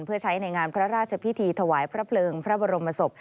เพื่อใช้ในงานพระราชพิธีถวายพระเพลิงพระบรมศพ